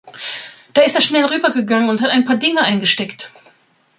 Da ist er schnell rübergegangen und hat ein paar Dinge eingesteckt.